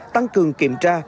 tăng cường kiểm tra